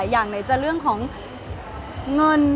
คือบอกเลยว่าเป็นครั้งแรกในชีวิตจิ๊บนะ